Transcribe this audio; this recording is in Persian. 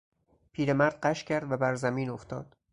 پیرمرد غش کرد و برزمین افتاد.